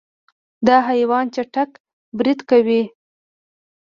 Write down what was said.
دا حیوان چټک برید کوي.